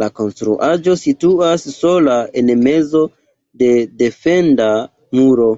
La konstruaĵo situas sola en mezo de defenda muro.